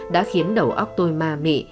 đã khiến đầu óc tôi ma mị